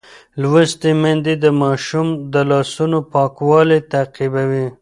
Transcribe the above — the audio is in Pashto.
لوستې میندې د ماشوم د لاسونو پاکوالی تعقیبوي.